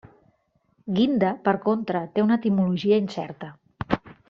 Guinda, per contra, té una etimologia incerta.